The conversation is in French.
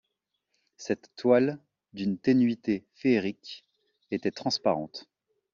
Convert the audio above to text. Cette toile, d’une ténuité féerique, était transparente.